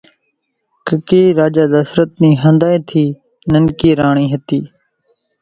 ڪڪِي راجا ڌسرت نِي ۿنڌانئين ٿي ننڪي راڻي ھتي